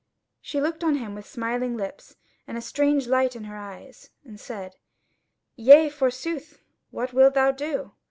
She looked on him with smiling lips and a strange light in her eyes, and said: "Yea, forsooth, what wilt thou do?